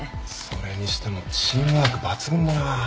それにしてもチームワーク抜群だなぁ。